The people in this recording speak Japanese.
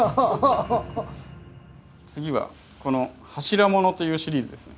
次はこの柱物というシリーズですね。